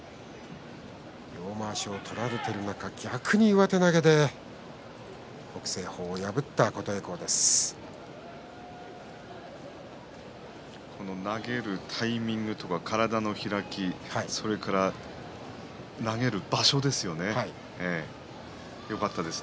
両まわしを取られている中逆に上手投げで投げるタイミング体の開きそれから投げる場所ですよねよかったです。